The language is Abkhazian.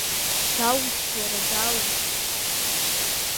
Даужьҭ, уара даужьҭ!